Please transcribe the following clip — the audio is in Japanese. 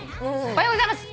「おはようございます。